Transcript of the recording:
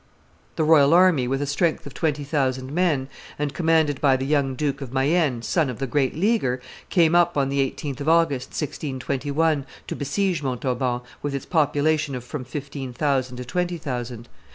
The royal army, with a strength of twenty thousand men, and commanded by the young Duke of Mayenne, son of the great Leaguer, came up on the 18th of August, 1621, to besiege Montauban, with its population of from fifteen thousand to twenty thousand.